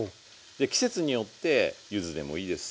季節によってゆずでもいいです